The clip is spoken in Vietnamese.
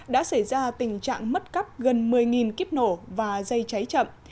đã xảy ra tình trạng mất cắp gần một mươi kíp nổ và dây cháy chậm